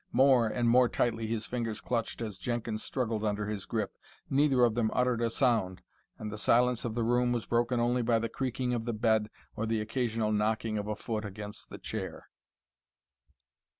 More and more tightly his fingers clutched as Jenkins struggled under his grip. Neither of them uttered a sound, and the silence of the room was broken only by the creaking of the bed or the occasional knocking of a foot against the chair.